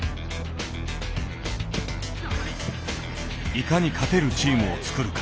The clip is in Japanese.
いかに勝てるチームを作るか。